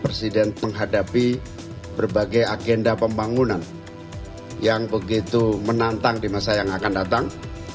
presiden menghadapi berbagai agenda pembangunan yang begitu menantang di masa yang akan datang